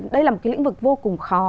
đây là một lĩnh vực vô cùng khó